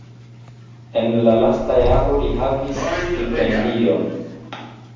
En la lasta jaro li havis stipendion.